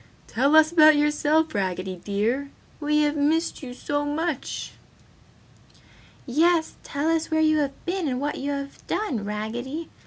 "Tell us about yourself, Raggedy dear, we have missed you so much!" "Yes! Tell us where you have been and what you have done, Raggedy!"